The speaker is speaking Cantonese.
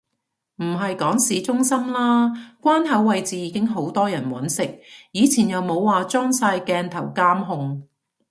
唔係講市中心啦，關口位置已經好多人搵食，以前又冇話裝晒鏡頭監控